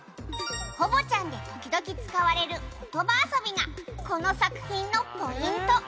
「コボちゃんで時々使われる言葉遊びがこの作品のポイント」